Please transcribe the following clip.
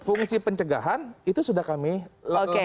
fungsi pencegahan itu sudah kami lakukan